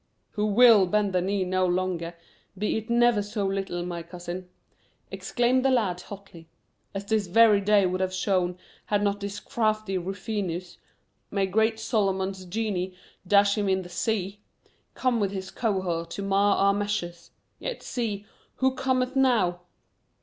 "Who WILL bend the knee no longer, be it never so little, my cousin," exclaimed the lad hotly, "as this very day would have shown had not this crafty Rufinus may great Solomon's genii dash him in the sea! come with his cohort to mar our measures! Yet see who cometh now?"